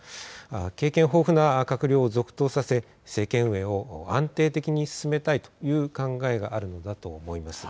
経験豊富な閣僚を続投させ政権運営を安定的に進めたいという考えがあるのだと思います。